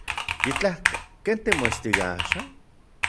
Yitlajka. ¿Ken timoestika axan?